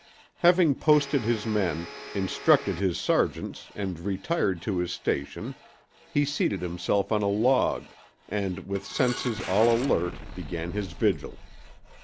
Having posted his men, instructed his sergeants and retired to his station, he seated himself on a log, and with senses all alert began his vigil.